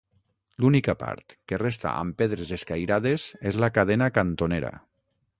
L'única part que resta amb pedres escairades és la cadena cantonera.